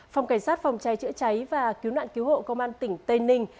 phòng cảnh sát phòng cháy chữa cháy và cứu nạn cứu hộ công an tỉnh tây ninh